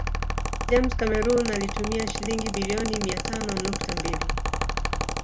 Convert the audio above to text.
James Cameroon alitumia Shilingi biliono mia tano nukta mbili